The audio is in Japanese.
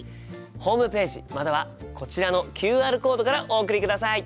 ホームページまたはこちらのＱＲコードからお送りください。